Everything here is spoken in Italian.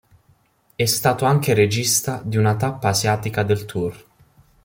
È stato anche regista di una tappa asiatica del tour.